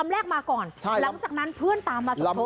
แล้วก็เรียกเพื่อนมาอีก๓ลำ